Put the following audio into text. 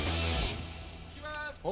いきまーす。